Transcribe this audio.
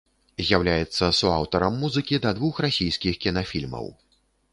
З'яўляецца суаўтарам музыкі да двух расійскіх кінафільмаў.